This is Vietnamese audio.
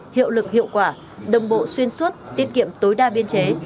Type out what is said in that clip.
hiệu lực hiệu quả đồng bộ xuyên suốt tiết kiệm tối đa biên chế